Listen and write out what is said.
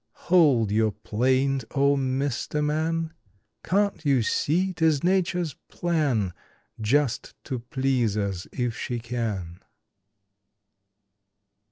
Hold your plaint, O Mr. Man! Can t you see tis Nature s plan Just to please us if she can?